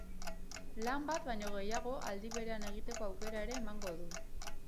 Lan bat baino gehiago aldi berean egiteko aukera ere emango du.